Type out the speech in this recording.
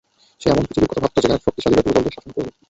সে এমন পৃথিবীর কথা ভাবত, যেখানে শক্তিশালীরা দুর্বলদের শাসন করবে।